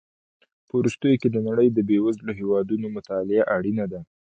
په وروستیو کې د نړۍ د بېوزلو هېوادونو مطالعه اړینه ده.